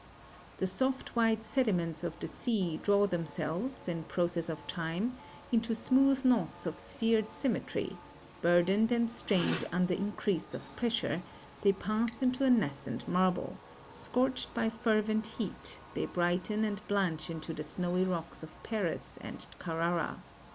"The soft white sediments of the sea draw themselves, in process of time, into smooth knots of sphered sym metry; burdened and strained under increase of pressure, they pass into a nascent marble ; scorched by fervent heat, they brighten and blanch into the snowy rock of Paros and Carrara.